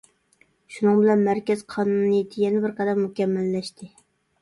شۇنىڭ بىلەن مەركەز قانۇنىيىتى يەنە بىر قەدەم مۇكەممەللەشتى.